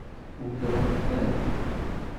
Tweddṛemt-ten?